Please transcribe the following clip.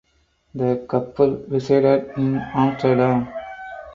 The couple resided in Amsterdam.